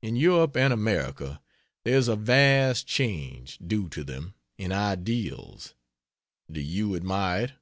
In Europe and America, there is a vast change (due to them) in ideals do you admire it?